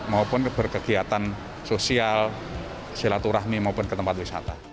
maupun berkegiatan sosial silaturahmi maupun ke tempat wisata